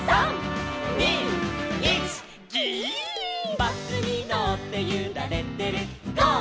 「バスにのってゆられてるゴー！